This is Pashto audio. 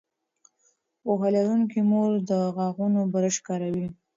پوهه لرونکې مور د غاښونو برش کاروي.